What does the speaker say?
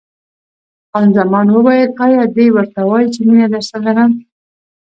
خان زمان وویل: ایا دی ورته وایي چې مینه درسره لرم؟